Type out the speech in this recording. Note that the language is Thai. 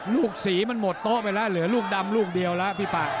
ลูกสีมันหมดโต๊ะไปแล้วเหลือลูกดำลูกเดียวแล้วพี่ป่า